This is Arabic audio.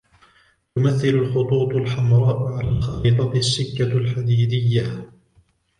تمثل الخطوط الحمراء على الخريطة السكة الحديدية.